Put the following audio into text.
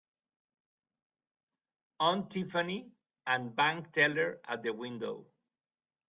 Aunt Tiffany and bank teller at the window.